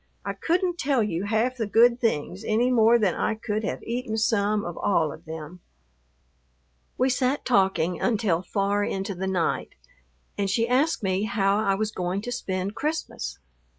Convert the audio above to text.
I couldn't tell you half the good things any more than I could have eaten some of all of them. We sat talking until far into the night, and she asked me how I was going to spend Christmas.